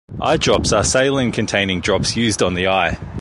Eye drops are saline-containing drops used on the eye.